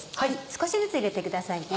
少しずつ入れてくださいね。